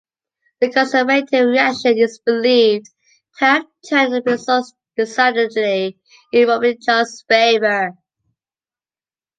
The Conservative reaction is believed to have turned the results decidedly in Robichaud's favour.